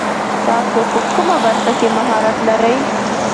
تاسو په کومه برخه کې مهارت لري ؟